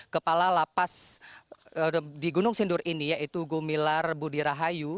kepala lapas di gunung sindur ini yaitu gumilar budirahayu